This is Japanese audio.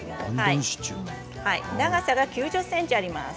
長さが９０ｃｍあります。